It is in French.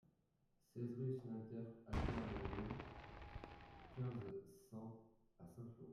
seize rue Sénateur Albert Baduel, quinze, cent à Saint-Flour